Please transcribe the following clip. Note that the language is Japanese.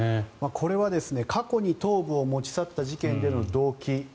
これは過去に頭部を持ち去った事件での動機。